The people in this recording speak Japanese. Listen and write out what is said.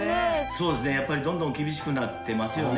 そうですねどんどん厳しくなってますよね。